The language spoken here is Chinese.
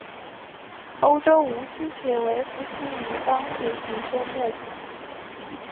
欧洲无须鳕为辐鳍鱼纲鳕形目无须鳕科的其中一种。